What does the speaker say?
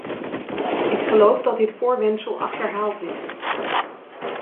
Ik geloof dat dit voorwendsel achterhaald is.